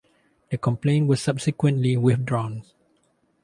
The complaint was subsequently withdrawn.